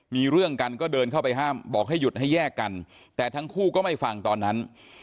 มีเรื่องกันก็เดินเข้าไปห้ามบอกให้หยุดให้แยกกันแต่ทั้งคู่ก็ไม่ฟังตอนนั้น